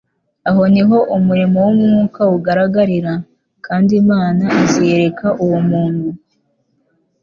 aho niho umurimo wa Mwuka ugaragarira, kandi Imana iziyereka uwo muntu